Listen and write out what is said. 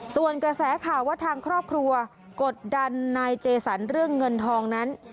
ส่วนกระแสข่าวว่าทางครอบครัวกดดันนายเจสันเรื่องเงินทองนั้น